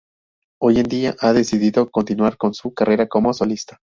Hoy en día, ha decidido continuar con su carrera como solista.